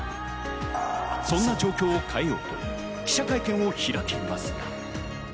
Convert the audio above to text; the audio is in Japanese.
そんな状況を変えようと記者会見を開きますが。